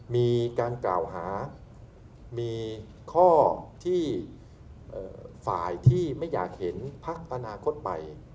มีการกล่าวหามีข้อที่ฝ่ายที่ไม่อยากเห็นพักอนาคตใหม่